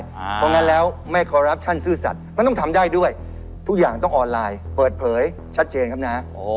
เพราะงั้นแล้วไม่คอรัปชั่นซื่อสัตว์มันต้องทำได้ด้วยทุกอย่างต้องออนไลน์เปิดเผยชัดเจนครับนะ